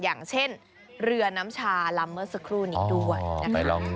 อย่างเช่นเหลือน้ำชาลำเมอร์สักครู่นี้ด้วยอ๋อไปลอง